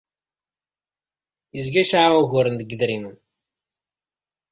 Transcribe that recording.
Yezga yesɛa uguren deg yedrimen.